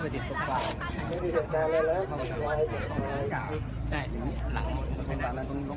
มีผู้ที่ได้รับบาดเจ็บและถูกนำตัวส่งโรงพยาบาลเป็นผู้หญิงวัยกลางคน